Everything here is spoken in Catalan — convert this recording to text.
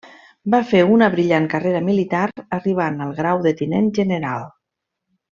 Va fer una brillant carrera militar arribant al grau de tinent general.